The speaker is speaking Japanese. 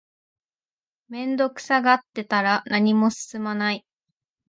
面倒くさがってたら何も進まない